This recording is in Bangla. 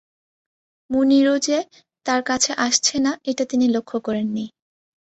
মুনিরও যে তাঁর কাছে আসছে না, এটা তিনি লক্ষ করেন নি।